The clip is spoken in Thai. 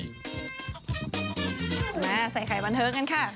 มาใส่ไขมันเถอะกันค่ะ